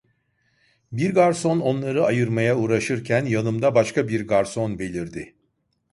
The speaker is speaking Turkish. Bir garson onları ayırmaya uğraşırken yanımda başka bir garson belirdi.